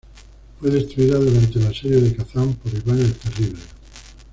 Fue destruida durante el asedio de Kazán por Iván el Terrible.